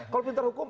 kalau pintar hukum